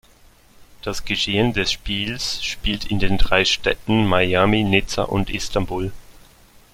Das Geschehen des Spiels spielt in den drei Städten Miami, Nizza und Istanbul.